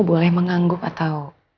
kamu boleh menganggup atau